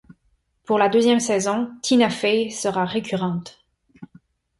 Pour la deuxième saison, Tina Fey sera récurrente.